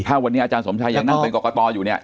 ถ้าวันนี้อาจารย์สมชัยยังนั่งเป็นกรกตอยู่เนี่ย